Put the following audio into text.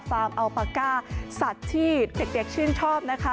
อัลปาก้าสัตว์ที่เด็กชื่นชอบนะคะ